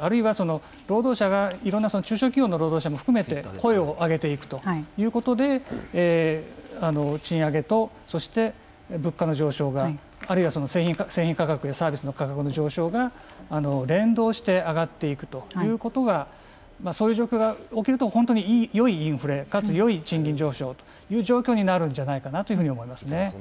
あるいは労働者がいろんな中小企業の労働者も含めて声を上げていくということで賃上げとそして物価の上昇があるいはその製品価格やサービスの価格の上昇が連動して上がっていくとそういう状況が起きると本当によいインフレかつよい賃金向上という状況になるんじゃないかなというふうに思いますね。